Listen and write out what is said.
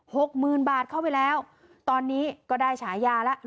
หกหมื่นบาทเข้าไปแล้วตอนนี้ก็ได้ฉายาแล้ว